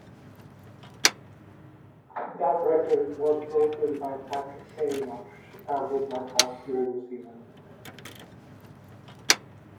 That record was broken by Patrick Kane of the Chicago Blackhawks during the season.